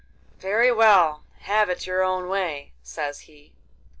'Very well; have it your own way,' says he.